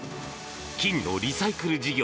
金のリサイクル事業